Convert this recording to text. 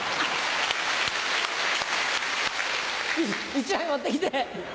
１枚持ってきて。